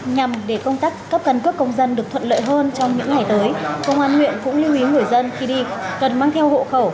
nhằm để công tác cấp căn cước công dân được thuận lợi hơn trong những ngày tới công an huyện cũng lưu ý người dân khi đi cần mang theo hộ khẩu